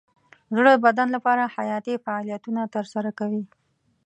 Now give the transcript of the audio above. زړه د بدن لپاره حیاتي فعالیتونه ترسره کوي.